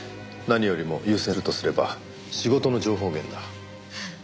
何よりも優先するとすれば仕事の情報源だ。